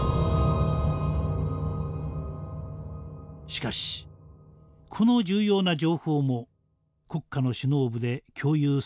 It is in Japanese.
しかしこの重要な情報も国家の首脳部で共有されませんでした。